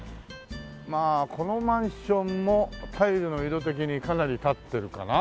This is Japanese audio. まあこのマンションもタイルの色的にかなり経ってるかな？